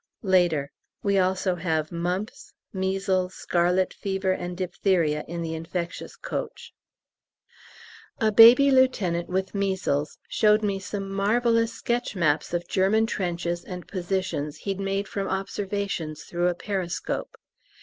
Later. We also have mumps, measles, scarlet fever, and diphtheria in the infectious coach. A baby lieut. with measles showed me some marvellous sketch maps of German trenches and positions he'd made from observations through a periscope.